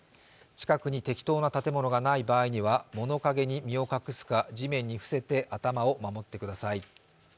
近くに適当な建物がない場合には物陰に身を隠すか地面に伏せて頭を守ってください。